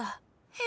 え？